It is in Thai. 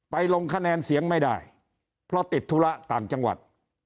ลงคะแนนเสียงไม่ได้เพราะติดธุระต่างจังหวัด